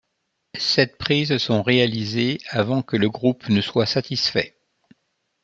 Sept prises sont réalisées avant que le groupe ne soit satisfait.